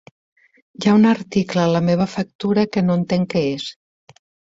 Hi ha un article a la meva factura que no entenc què és.